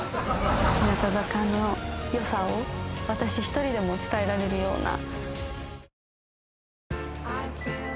日向坂のよさを私一人でも伝えられるような。